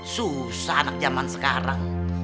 susah anak zaman sekarang